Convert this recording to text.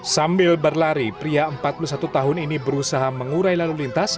sambil berlari pria empat puluh satu tahun ini berusaha mengurai lalu lintas